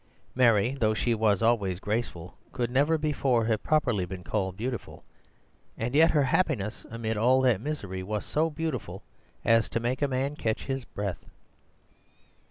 Mary, though she was always graceful, could never before have properly been called beautiful; and yet her happiness amid all that misery was so beautiful as to make a man catch his breath.